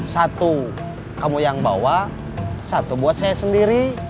satu kamu yang bawa satu buat saya sendiri